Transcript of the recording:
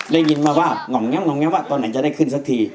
ได้ยินมาว่าหง่องแง้มว่าตอนไหนจะได้ขึ้นสักที